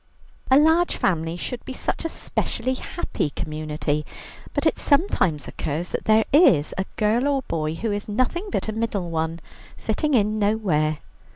A large family should be such a specially happy community, but it sometimes occurs that there is a girl or boy who is nothing but a middle one, fitting in nowhere.